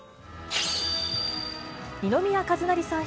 二宮和也さん